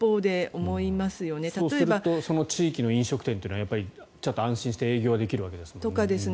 そうするとその地域の飲食店というのは安心して営業ができるわけですよね。